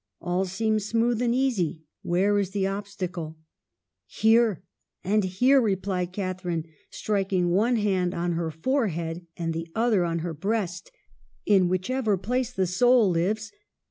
All seems smooth and easy ; where is the obstacle ?'"• Here ! and here !' replied Catharine, strik ing one hand on her forehead and the other on her breast. ' In whichever place the soul lives.